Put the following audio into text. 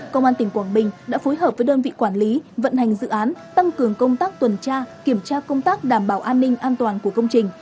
công an tỉnh quảng bình đã phối hợp với đơn vị quản lý vận hành dự án tăng cường công tác tuần tra kiểm tra công tác đảm bảo an ninh an toàn của công trình